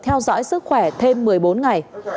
theo dõi sức khỏe thêm một mươi bốn ngày